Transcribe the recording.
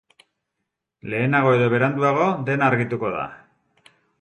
Lehenago edo beranduago, dena argituko da.